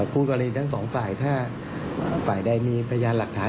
คู่กรณีทั้งสองฝ่ายถ้าฝ่ายใดมีพยานหลักฐาน